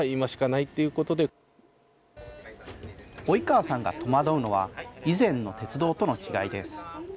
及川さんが戸惑うのは、以前の鉄道との違いです。